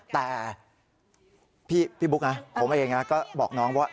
แต่พี่บุ๊กนะผมเองก็บอกน้องว่า